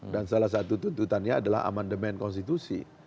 dan salah satu tuntutannya adalah amandemen konstitusi